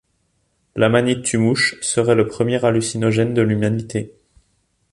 L’amanite tue-mouches serait le premier hallucinogène de l’humanité.